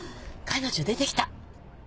彼女出てきた。